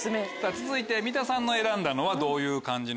続いて三田さんの選んだのはどういう感じの。